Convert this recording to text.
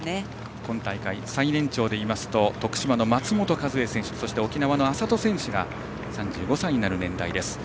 今大会最年長でいいますと徳島の松本一恵選手そして沖縄の安里選手が３５歳になる年代です。